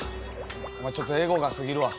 お前ちょっとエゴが過ぎるわ。